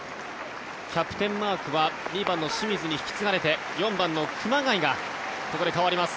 キャプテンマークは２番の清水に引き継がれて４番の熊谷がここで代わります。